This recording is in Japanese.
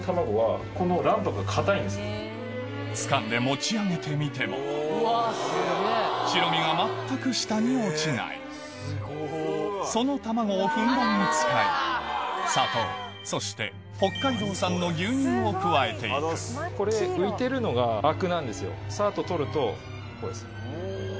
つかんで持ち上げてみても白身が全く下に落ちないその卵をふんだんに使い砂糖そして北海道産の牛乳を加えていくサッと取るとこうです。